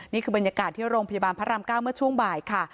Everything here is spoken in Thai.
นี่คือบรรยากาศที่โรงพยาบาลพระราม๙เมื่อช่วงบ่ายค่ะ